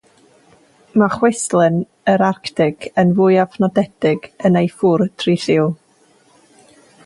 Mae chwistlen yr Arctig yn fwyaf nodedig yn ei ffwr trilliw.